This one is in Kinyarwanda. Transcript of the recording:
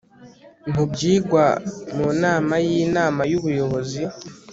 mu byigwa mu nama y inama y ubuyobozi